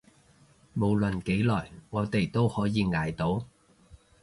無論幾耐，我哋都可以捱到